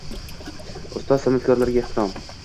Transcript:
Ustoz san’atkorlarga ehtirom